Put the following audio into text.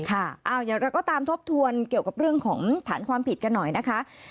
อย่างเราก็ตามทบทวนเกี่ยวกับเรื่องของฐานความผิดกันหน่อยนะคะ